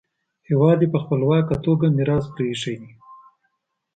هېواد یې په خپلواکه توګه میراث پریښی دی.